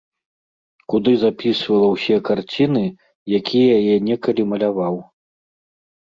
Куды запісвала ўсе карціны, якія я некалі маляваў.